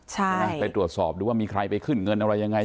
ไปตรวจสอบดูว่ามีใครไปขึ้นเงินอะไรยังไง